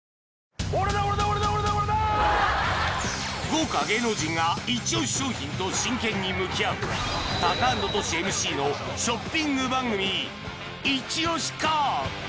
豪華芸能人がイチ押し商品と真剣に向き合うタカアンドトシＭＣのショッピング番組「イチ押しかっ！」